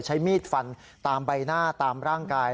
ใช้มีดฟันตามใบหน้าตามร่างกาย